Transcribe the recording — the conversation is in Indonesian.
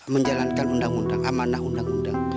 menjalankan undang undang amanah undang undang